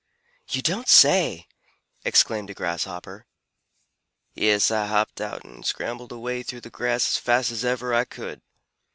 "You don't say!" exclaimed a Grasshopper. "Yes, I hopped out and scrambled away through the grass as fast as ever I could.